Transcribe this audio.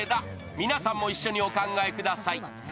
皆さんも一緒にお考えください。